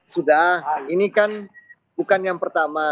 sudah ini kan bukan yang pertama